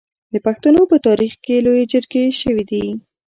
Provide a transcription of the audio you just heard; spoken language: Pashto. د پښتنو په تاریخ کې لویې جرګې شوي دي.